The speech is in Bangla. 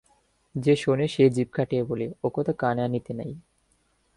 যে শোনে সেই জিভ কাটিয়া বলে, ওকথা কানে আনিতে নাই।